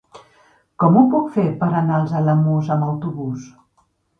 Com ho puc fer per anar als Alamús amb autobús?